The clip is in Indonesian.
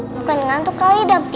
bukan ngantuk kali dem